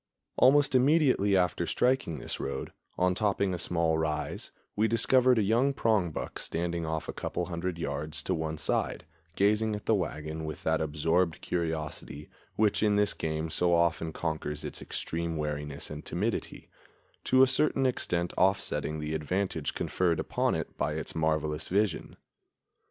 Almost immediately after striking this road, on topping a small rise, we discovered a young prongbuck standing off a couple of hundred yards to one side, gazing at the wagon with that absorbed curiosity which in this game so often conquers its extreme wariness and timidity, to a certain extent offsetting the advantage conferred upon it by its marvelous vision.